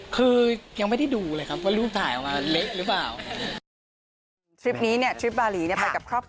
คือยังไม่ได้ดูเลยครับ